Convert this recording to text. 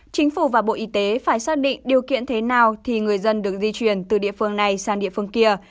chính phủ và bộ y tế phải xác định điều kiện thế nào thì người dân được di chuyển từ địa phương này sang địa phương kia